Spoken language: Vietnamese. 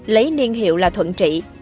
lấy niên hiệu là thuận trị